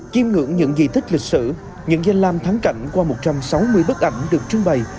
kim ngưỡng những dị thích lịch sử những danh lam thắng cảnh qua một trăm sáu mươi bức ảnh được trưng bày